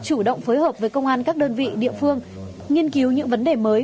chủ động phối hợp với công an các đơn vị địa phương nghiên cứu những vấn đề mới